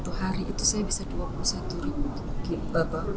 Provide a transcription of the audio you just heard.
satu hari itu saya bisa rp dua puluh satu bagi bapak ustaz